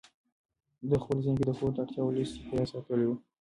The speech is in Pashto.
ده په خپل ذهن کې د کور د اړتیاوو لست په یاد ساتلی و.